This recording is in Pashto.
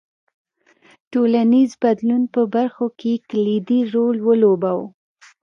ټولنیز بدلون په برخو کې کلیدي رول ولوباوه.